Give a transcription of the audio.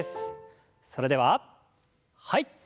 それでははい。